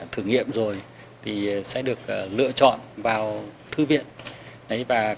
thử nghiệm rồi thì sẽ được lựa chọn vào thư viện